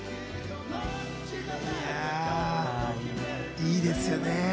いいですよね。